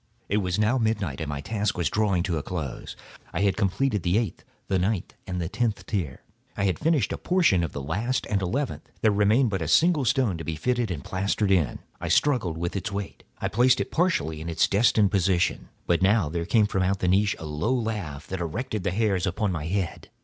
It was now midnight, and my task was drawing to a close. I had completed the eighth, the ninth, and the tenth tier. I had finished a portion of the last and the eleventh; there remained but a single stone to be fitted and plastered in. I struggled with its weight; I placed it partially in its destined position. But now there came from out the niche a low laugh that erected the hairs upon my head.